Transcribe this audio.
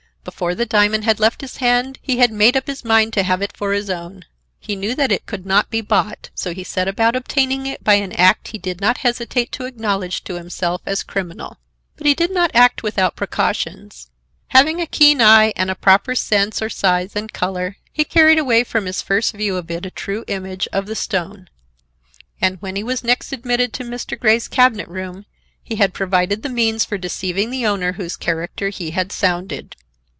Before the diamond had left his hand he had made up his mind to have it for his own. He knew that it could not be bought, so he set about obtaining it by an act he did not hesitate to acknowledge to himself as criminal. But he did not act without precautions. Having a keen eye and a proper sense or size and color, he carried away from his first view of it a true image of the stone, and when he was next admitted to Mr. Grey's cabinet room he had provided the means for deceiving the owner whose character he had sounded.